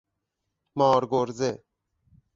مارگرزه